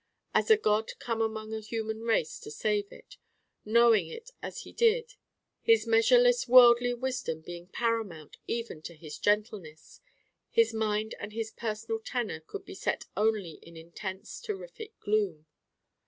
As a God come among the human race to save it, knowing it as he did: his measureless worldly wisdom being paramount even to his gentleness: his mind and his personal tenor could be set only in intense terrific gloom.